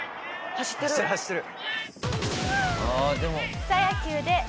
走ってる走ってる。